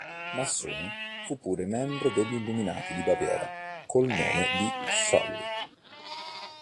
Massone, fu pure membro degli Illuminati di Baviera col nome di "Sully".